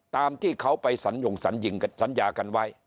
ตามที่เขาไปสัญญงสัญญากันไว้